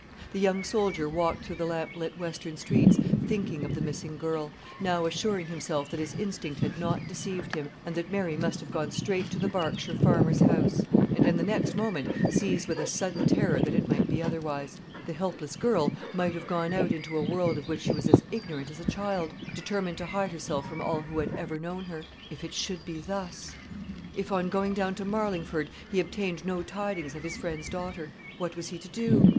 The young soldier walked through the lamp lit western streets thinking of the missing girl; now assuring himself that his instinct had not deceived him, and that Mary must have gone straight to the Berkshire farmer's house, and in the next moment seized with a sudden terror that it might be otherwise: the helpless girl might have gone out into a world of which she was as ignorant as a child, determined to hide herself from all who had ever known her. If it should be thus: if, on going down to Marlingford, he obtained no tidings of his friend's daughter, what was he to do?